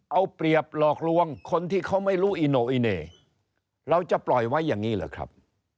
เอาเปรียบหลอกลวงคนที่เขาไม่รู้อิโนอิเน่เราจะปล่อยไว้อย่างนี้เหรอครับ